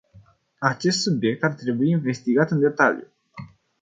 Acesta subiect ar trebui investigat în detaliu.